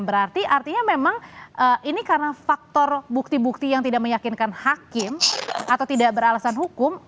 berarti artinya memang ini karena faktor bukti bukti yang tidak meyakinkan hakim atau tidak beralasan hukum